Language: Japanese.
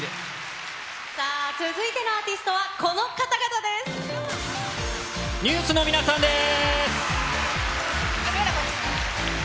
さあ、続いてのアーティストＮＥＷＳの皆さんです。